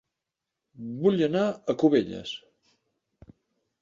Vull anar a Cubelles